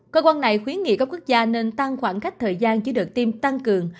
cơ quan này khuyến nghị các quốc gia nên tăng khoảng cách thời gian chứa được tim tăng cường